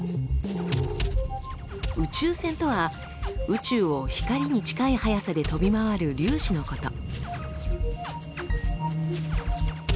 「宇宙線」とは宇宙を光に近い速さで飛び回る粒子のこと。